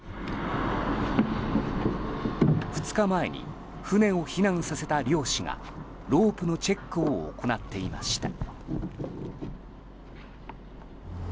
２日前に船を避難させた漁師がロープのチェックを行っていました。